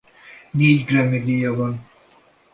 Négy Grammy-díja van.